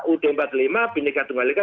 ud empat puluh lima bindika tunggal ibu